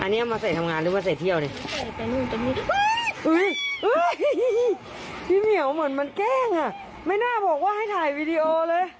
พี่เหมียวเหมือนมันแกล้งอ่ะไม่น่าบอกว่าให้ถ่ายวิดีโอเลย